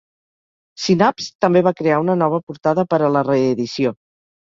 Synapse també va crear una nova portada per a la reedició.